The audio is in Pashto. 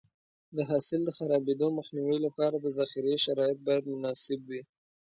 د حاصل د خرابېدو مخنیوي لپاره د ذخیرې شرایط باید مناسب وي.